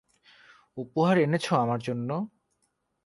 উপহার এনেছ আমার জন্য?